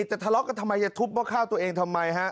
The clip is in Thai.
จะทะเลาะกันทำไมจะทุบเมื่อข้าวตัวเองทำไม